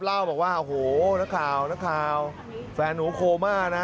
เล่าบอกว่าโอ้โหนักข่าวนักข่าวแฟนหนูโคม่านะ